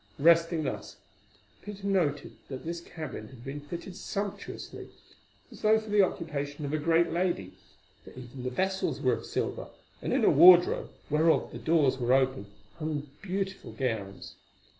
Resting thus, Peter noted that this cabin had been fitted sumptuously as though for the occupation of a great lady, for even the vessels were of silver, and in a wardrobe, whereof the doors were open, hung beautiful gowns.